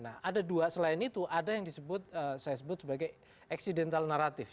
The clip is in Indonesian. nah ada dua selain itu ada yang disebut saya sebut sebagai eksidental naratif